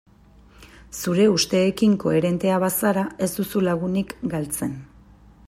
Zure usteekin koherentea bazara ez duzu lagunik galtzen.